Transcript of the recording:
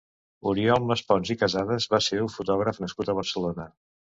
Oriol Maspons i Casades va ser un fotògraf nascut a Barcelona.